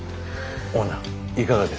オーナーいかがですか。